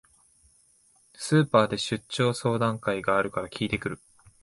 スーパーで出張相談会があるから聞いてくる